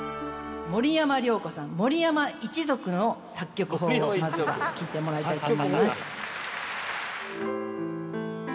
森山良子さん森山一族の作曲法をまずは聴いてもらいたいと思います。